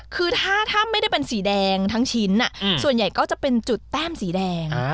คือถ้าไม่ได้เป็นสีแดงทั้งชิ้นส่วนใหญ่ก็จะเป็นจุดแต้มสีแดง